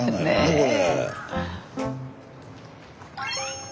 これ。